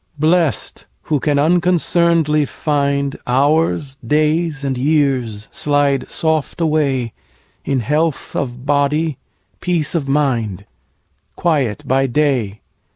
Blest, who can unconcern'dly findHours, days, and years, slide soft awayIn health of body, peace of mind, Quiet by day.